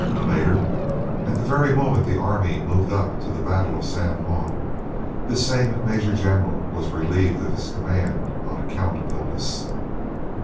Later, at the very moment the army moved up to the battle of San Juan this same major general was relieved of his command on account of illness.